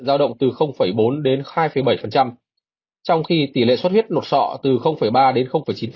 giao động từ bốn đến hai bảy trong khi tỷ lệ suất huyết nột sọ từ ba đến chín